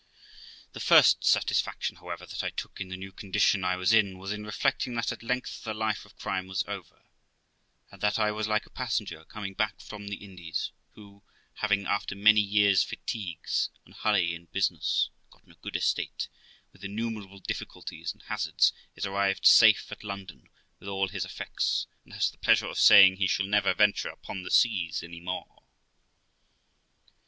The first satisfaction, however, that I took in the new condition I was in, was in reflecting that at length the life of crime was over, and that I was like a passenger coming back from the Indies, who, having, after many years' fatigues and hurry in business, gotten a good estate, with innumerable difficulties and hazards, is arrived safe at London with all his effects, and has the pleasure of saying he shall never venture upon the seas any more.